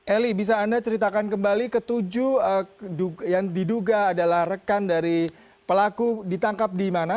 eli bisa anda ceritakan kembali ketujuh yang diduga adalah rekan dari pelaku ditangkap di mana